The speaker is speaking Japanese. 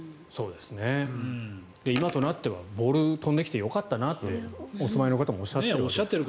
今となってはボール、飛んできてよかったなとお住まいの方もおっしゃって。